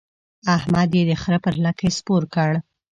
احمد يې د خره پر لکۍ سپور کړ.